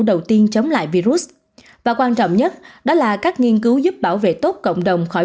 đầu tiên chống lại virus và quan trọng nhất đó là các nghiên cứu giúp bảo vệ tốt cộng đồng khỏi